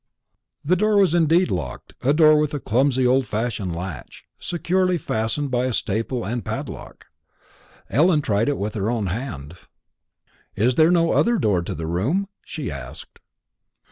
The door was indeed locked a door with a clumsy old fashioned latch, securely fastened by a staple and padlock. Ellen tried it with her own hand. "Is there no other door to the room?" she asked.